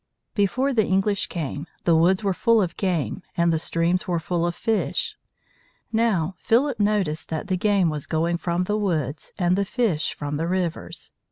Before the English came, the woods were full of game and the streams were full of fish. Now Philip noticed that the game was going from the woods and the fish from the rivers.